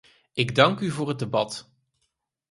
Ik dank u voor het debat.